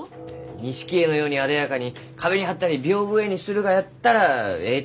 錦絵のようにあでやかに壁に貼ったり屏風絵にするがやったらえいと言われました。